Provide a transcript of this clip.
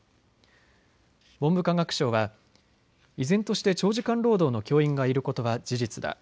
文部科学省は依然として長時間労働の教員がいることは事実だ。